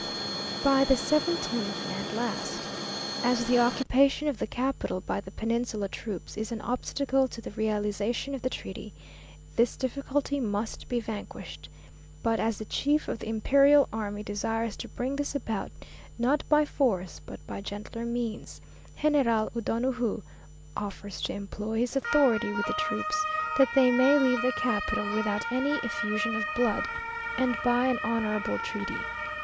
By the seventeenth and last, as the occupation of the capital by the peninsula troops is an obstacle to the realization of the treaty, this difficulty must be vanquished; but as the chief of the imperial army desires to bring this about, not by force, but by gentler means, General O'Donoju offers to employ his authority with the troops, that they may leave the capital without any effusion of blood, and by an honourable treaty.